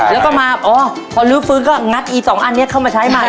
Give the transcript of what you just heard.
แล้วก็มาอ๋อพอลื้อฟื้นก็งัดอีสองอันนี้เข้ามาใช้ใหม่